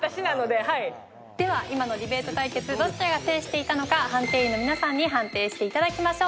では今のディベート対決どちらが制していたのか判定員の皆さんに判定して頂きましょう。